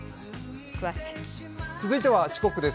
続いては四国です。